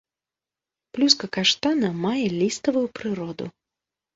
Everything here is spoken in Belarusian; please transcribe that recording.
Плюска каштана мае ліставую прыроду.